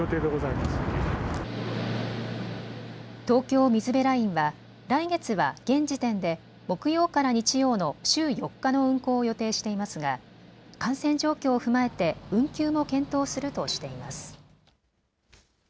東京水辺ラインは来月は現時点で木曜から日曜の週４日の運航を予定していますが感染状況を踏まえて、運休も検討するとしています。